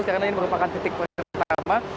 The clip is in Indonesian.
karena ini merupakan titik pertama